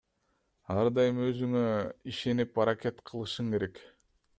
Ар дайым өзүңө ишенип аракет кылышың керек.